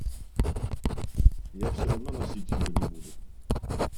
Я все равно носить его не буду.